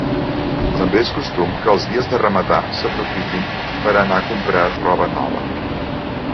També és costum que els dies de ramadà s'aprofitin per anar a comprar roba nova.